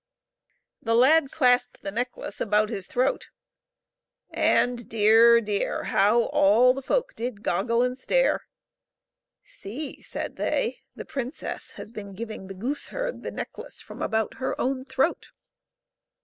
The lad clasped the necklace about his throat, and, dear, dear, how all the folks did goggle and stare. " See," said they, " the princess has been giving the gooseherd the necklace from about her own throat."